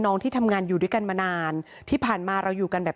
ที่ทำงานอยู่ด้วยกันมานานที่ผ่านมาเราอยู่กันแบบ